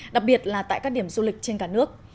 đặc biệt là tại các điểm du lịch trên cả nước